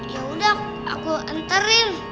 yaudah aku enterin